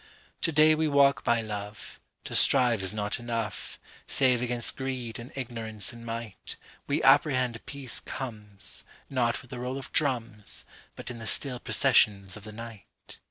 …To day we walk by love; To strive is not enough, Save against greed and ignorance and might. We apprehend peace comesNot with the roll of drums, But in the still processions of the night.